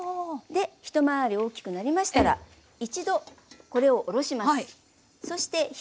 で一回り大きくなりましたら一度これを下ろします。